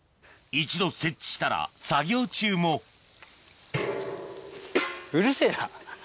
一度設置したら作業中もうるせぇな。